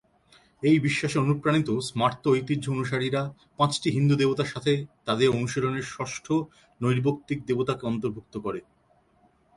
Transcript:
এই বিশ্বাসে অনুপ্রাণিত, স্মার্ত ঐতিহ্য অনুসারীরা, পাঁচটি হিন্দু দেবতার সাথে তাদের অনুশীলনে ষষ্ঠ নৈর্ব্যক্তিক দেবতাকে অন্তর্ভুক্ত করে।